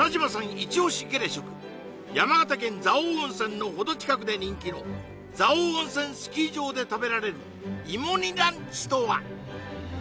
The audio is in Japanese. イチ押しゲレ食山形県蔵王温泉の程近くで人気の蔵王温泉スキー場で食べられる芋煮ランチとは？